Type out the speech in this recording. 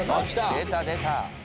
「出た出た」